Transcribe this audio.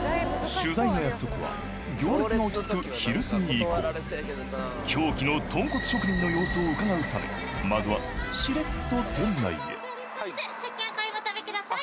取材の約束は行列が落ち着く昼すぎ以降狂気の豚骨職人の様子をうかがうためまずはしれっと店内へ食券お買い求めください。